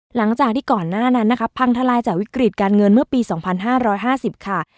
หลังจากที่ก่อนหน้านั้นนะคะพังทลายจากวิกฤตการเงินเมื่อปี๒๕๕๐ค่ะ